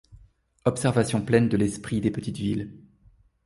Observation pleine de l’esprit des petites villes.